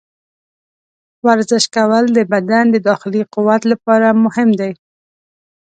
ورزش کول د بدن د داخلي قوت لپاره مهم دي.